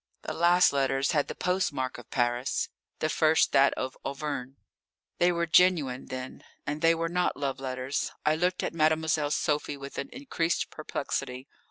The last letters had the postmark of Paris, the first that of Auvergne. They were genuine, then. And they were not love letters. I looked at Mademoiselle Sophie with an increased perplexity.